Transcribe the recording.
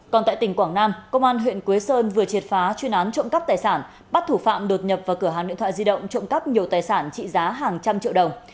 còn tại tỉnh quảng nam công an huyện quế sơn vừa triệt phá chuyên án trộm cắp tài sản bắt thủ phạm đột nhập vào cửa hàng điện thoại di động trộm cắp nhiều tài sản trị giá hàng trăm triệu đồng